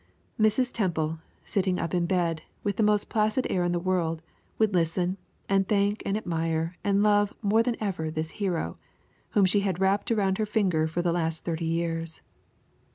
Mrs. Temple, sitting up in bed, with the most placid air in the world, would listen, and thank and admire and love more than ever this hero, whom she had wrapped around her finger for the last thirty years.